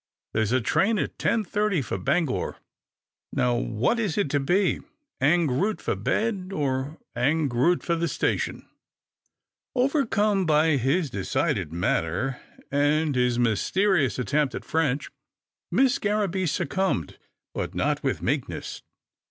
There's a train at ten thirty for Bangor. Now which is it to be — ang root for bed, or ang root for the station ?" Overcome by his decided manner, and his myste rious attempt at French, Miss Garraby succumbed, but not with meekness.